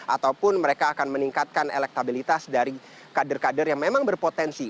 ataupun mereka akan meningkatkan elektabilitas dari kader kader yang memang berpotensi